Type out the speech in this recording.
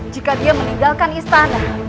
jika dia meninggalkan istana